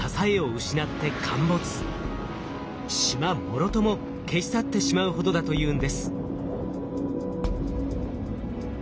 もろとも消し去ってしまうほどだというんです。